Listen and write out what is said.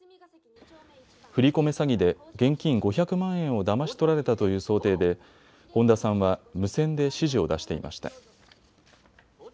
詐欺で現金５００万円をだまし取られたという想定で本田さんは無線で指示を出していました。